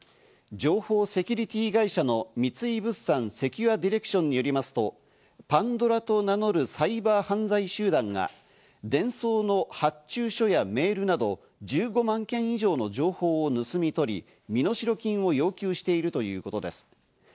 情報セキュリティー会社の三井物産セキュアディレクションによりますと、Ｐａｎｄｏｒａと名乗るサイバー犯罪集団がデンソーの発注書やメールなど１５万件以上の情報を盗み取り、身代金を要求しているということです。